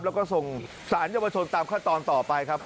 แล้วก็ส่งสรรพชตามข้าวตอนต่อไปครับ